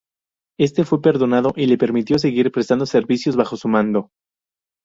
Éste fue perdonado y le permitió seguir prestando servicios bajo su mando.